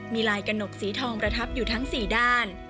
มีลายกระหนกสีทองประทับอยู่ทั้ง๔ด้าน